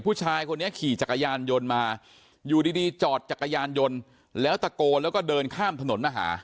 ผู้ชายคนนี้ขี่จักรยานยนต์มาอยู่ดีจอดจักรยานยนต์แล้วตะโกนแล้วก็เดินข้ามถนนมาหา